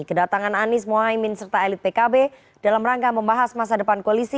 kedatangan anies mohaimin serta elit pkb dalam rangka membahas masa depan koalisi